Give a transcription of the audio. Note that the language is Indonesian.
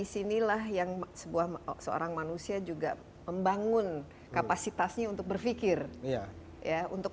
disinilah yang sebuah seorang manusia juga membangun kapasitasnya untuk berpikir ya untuk